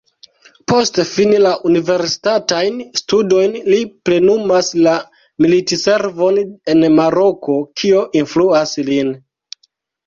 Post fini la universitatajn studojn, li plenumas la militservon en Maroko, kio influas lin.